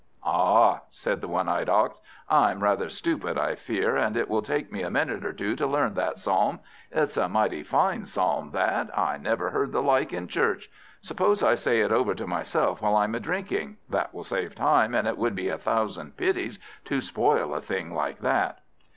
"Ah," said the one eyed Ox, "I'm rather stupid, I fear, and it will take me a minute or two to learn that psalm. It's a mighty fine psalm, that; I never heard the like in church. Suppose I say it over to myself while I'm a drinking? that will save time, and it would be a thousand pities to spoil a thing like that."